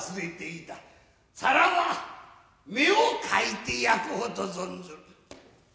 さらば目をかいて焼こうと存ずる。